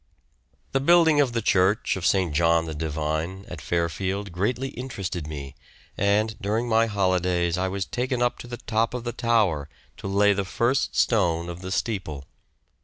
The building of the church of St. John the Divine, at Fairfield, greatly interested me, and during my holidays I was taken up to the top of the tower to lay the first stone of the steeple.